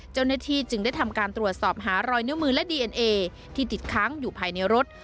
เจ้าหน้าที่จึงได้ทำการตรวจสอบหารอยนิ้วมือและดีเอ็นเอที่ติดค้างอยู่ภายในรถ